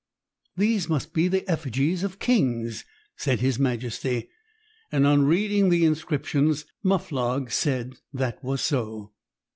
"These must be the effigies of kings," said his majesty, and on reading the inscriptions, Muflog said that was so.